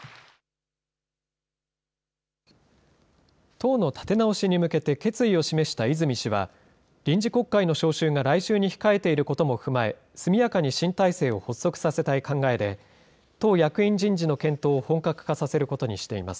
党の立て直しに向けて決意を示した泉氏は、臨時国会の召集が来週に控えていることも踏まえ、速やかに新体制を発足させたい考えで、党役員人事の検討を本格化させることにしています。